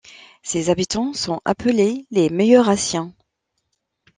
Ses habitants sont appelés les Meillerassiens.